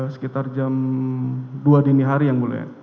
sekitar jam dua dini hari yang mulia